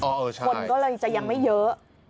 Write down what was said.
คนก็เลยจะยังไม่เยอะ